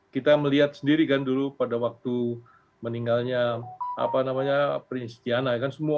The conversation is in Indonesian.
kita melihat sendiri kan dulu pada waktu meninggalnya prince tiana